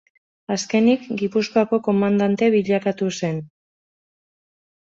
Azkenik, Gipuzkoako komandante bilakatu zen.